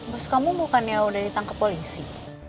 bos kamu bukannya udah ditangkap polisi